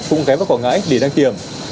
cũng ghé vào quảng ngãi để đăng kiểm